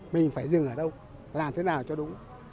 mình phải dừng ở đâu làm thế nào cho đúng